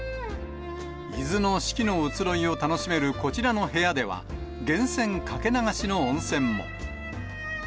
伊豆の四季の移ろいを楽しめるこちらの部屋では、源泉かけ流しの温泉も。